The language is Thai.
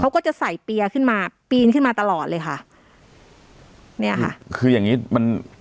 เขาก็จะใส่เปียร์ขึ้นมาปีนขึ้นมาตลอดเลยค่ะเนี่ยค่ะคืออย่างงี้มัน